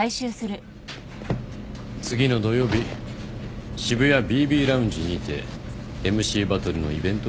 次の土曜日渋谷ＢＢＬｏｕｎｇｅにてＭＣバトルのイベントを開きます。